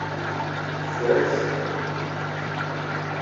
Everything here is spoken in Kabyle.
Teffer-ak-t.